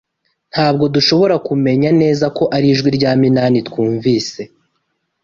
Ntabwo dushobora kumenya neza ko ari ijwi rya Minani twumvise.